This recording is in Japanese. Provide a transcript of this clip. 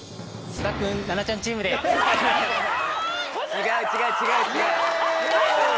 違う違う違う違う。